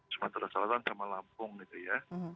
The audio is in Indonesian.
sumatera selatan sama lampung gitu ya